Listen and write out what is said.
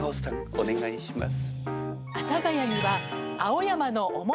お願いします。